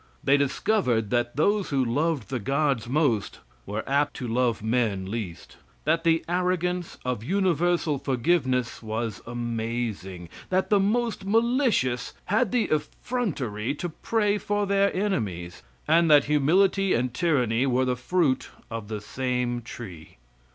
The discovered that those who loved the gods most were apt to love men least; that the arrogance of universal forgiveness was amazing; that the most malicious had the effrontery to pray for their enemies, and that humility and tyranny were the fruit of the same tree.